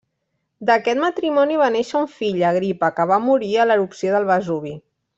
D'aquest matrimoni va néixer un fill, Agripa, que va morir a l'erupció del Vesuvi.